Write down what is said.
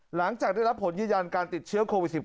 หลังจากได้รับผลยืนยันการติดเชื้อโควิด๑๙